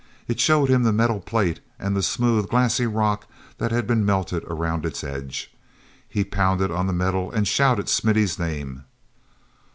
It showed him the metal plate and the smooth, glassy rock that had been melted around its edge. He pounded on the metal and shouted Smithy's name.